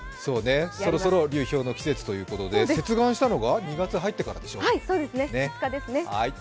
そろそろの流氷の季節ということで、接岸したのが２月に入ってからでしょう？